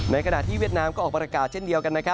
ขณะที่เวียดนามก็ออกประกาศเช่นเดียวกัน